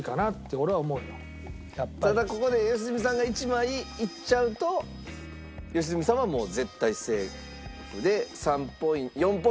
ただここで良純さんが１枚いっちゃうと良純さんはもう絶対セーフで４ポイント獲得になります。